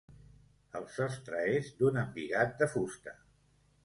El sostre és d'un embigat de fusta.